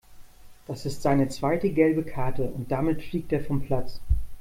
Das ist seine zweite gelbe Karte und damit fliegt er vom Platz.